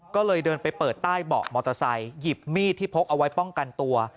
ก็เลยเดินไปเปิดใต้เบาะมอเตอร์ไซค์หยิบมีดที่พกเอาไว้ป้องกันตัว